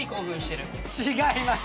違います。